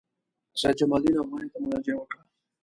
سید جمال الدین افغاني ته مراجعه وکړه.